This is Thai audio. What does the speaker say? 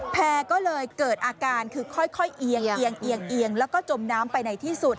แพร่ก็เลยเกิดอาการคือค่อยเอียงแล้วก็จมน้ำไปไหนที่สุด